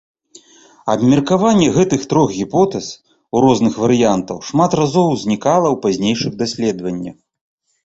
Абмеркаванне гэтых трох гіпотэз, у розных варыянтах, шмат разоў узнікала ў пазнейшых даследаваннях.